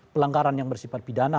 pelenggaran yang bersifat pidana